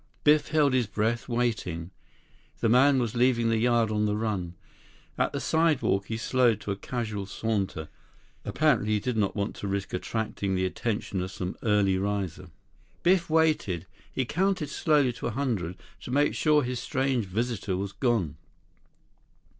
Biff held his breath, waiting. The man was leaving the yard on the run. At the sidewalk, he slowed to a casual saunter. Apparently he did not want to risk attracting the attention of some early riser. Biff waited. He counted slowly to a hundred, to make sure his strange visitor was gone.